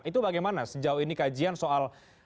itu bagaimana sejauh ini kajian soal